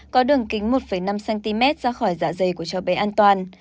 có đường kính một năm cm ra khỏi dạ dày của cháu bé an toàn